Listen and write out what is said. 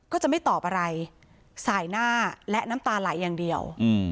ก็จะไม่ตอบอะไรสายหน้าและน้ำตาไหลอย่างเดียว